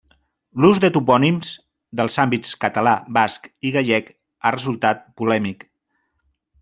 L'ús dels topònims dels àmbits català, basc i gallec ha resultat polèmic.